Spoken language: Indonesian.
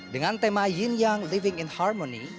dengan tema yin young living in harmony